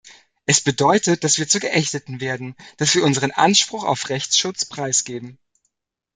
Es bedeutet, dass wir zu Geächteten werden, dass wir unseren Anspruch auf Rechtsschutz preisgeben.